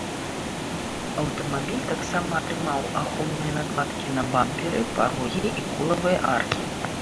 Аўтамабіль таксама атрымаў ахоўныя накладкі на бамперы, парогі і колавыя аркі.